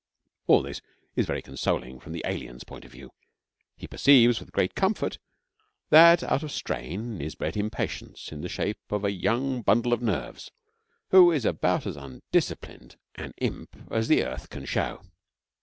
All this is very consoling from the alien's point of view. He perceives, with great comfort, that out of strain is bred impatience in the shape of a young bundle of nerves, who is about as undisciplined an imp as the earth can show.